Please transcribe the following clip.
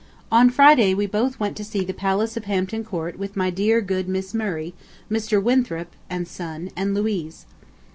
On Friday we both went to see the Palace of Hampton Court with my dear, good, Miss Murray, Mr. Winthrop and son, and Louise.